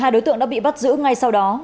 một mươi hai đối tượng đã bị bắt giữ ngay sau đó